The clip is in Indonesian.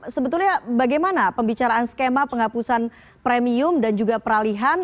sebetulnya bagaimana pembicaraan skema penghapusan premium dan juga peralihan